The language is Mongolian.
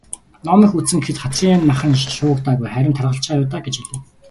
"Ном их үзсэн гэхэд хацрын нь мах шуугдаагүй, харин таргалчихаа юу даа" гэж хэлэв.